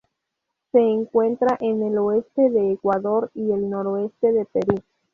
Se encuentra en el oeste de Ecuador y el noroeste de Perú.